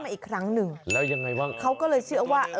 มาครั้งนี้จะได้ตามนั้นรึเปล่า